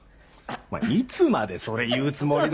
お前いつまでそれ言うつもりだよ！